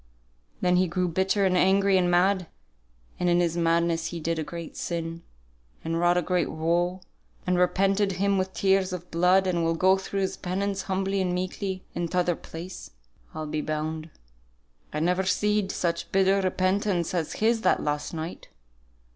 Then he grew bitter, and angry, and mad; and in his madness he did a great sin, and wrought a great woe; and repented him with tears as of blood; and will go through his penance humbly and meekly in t'other place, I'll be bound. I never seed such bitter repentance as his that last night."